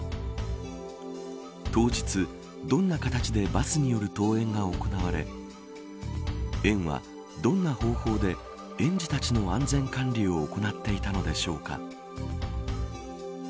当日、どんな形でバスによる登園が行われ園は、どんな方法で園児たちの安全管理を行っていたのでしょうか。